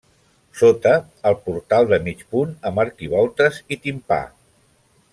Sota, el portal de mig punt, amb arquivoltes i timpà.